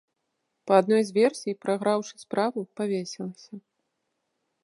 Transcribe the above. Па адной з версій, прайграўшы справу, павесілася.